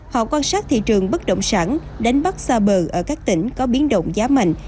họ quan sát thị trường bất động sản đánh bắt xa bờ ở các tỉnh có biến động giá mạnh